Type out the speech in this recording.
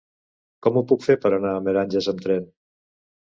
Com ho puc fer per anar a Meranges amb tren?